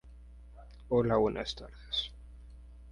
Se ha documentado un castro.